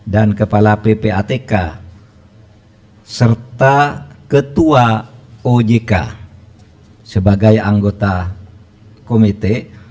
dan kepala ppatk serta ketua ojk sebagai anggota komite